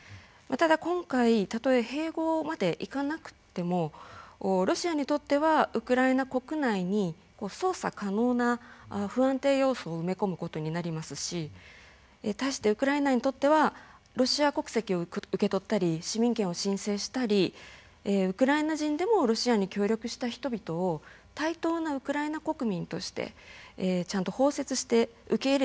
ただ今回たとえ併合までいかなくってもロシアにとってはウクライナ国内に操作可能な不安定要素を埋め込むことになりますし対してウクライナにとってはロシア国籍を受け取ったり市民権を申請したりウクライナ人でもロシアに協力した人々を対等なウクライナ国民としてちゃんと包摂して受け入れていけるか。